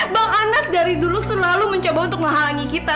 bang anas dari dulu selalu mencoba untuk menghalangi kita